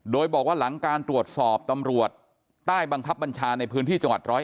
โดยบอกว่าหลังการตรวจสอบตำรวจใต้บังคับบัญชาในพื้นที่จังหวัด๑๐๑